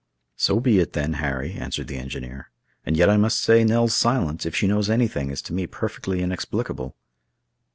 "So be it, then, Harry," answered the engineer; "and yet I must say Nell's silence, if she knows anything, is to me perfectly inexplicable."